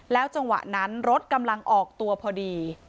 จังหวะนั้นรถกำลังออกตัวพอดี